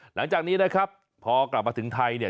หลังจากนี้นะครับพอกลับมาถึงไทยเนี่ย